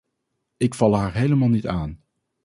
Ik val haar helemaal niet aan!